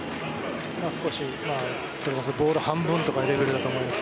少しボール半分とかいうレベルだと思います。